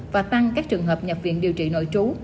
và tăng các trường hợp nhập viện điều trị nội trú